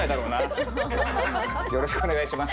よろしくお願いします。